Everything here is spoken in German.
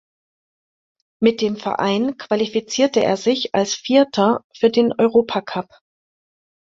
Mit dem Verein qualifizierte er sich als Vierter für den Europacup.